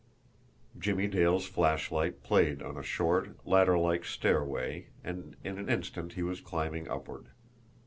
Jimmie Dale's flashlight played on a short, ladderlike stairway, and in an instant he was climbing upward.